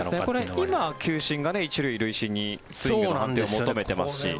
今、球審が１塁塁審にスイングの判定を求めていますし。